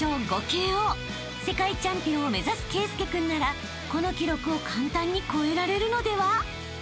［世界チャンピオンを目指す圭佑君ならこの記録を簡単に超えられるのでは？］